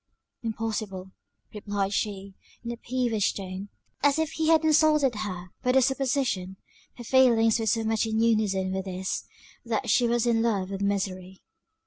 "Impossible," replied she, in a peevish tone, as if he had insulted her by the supposition; her feelings were so much in unison with his, that she was in love with misery.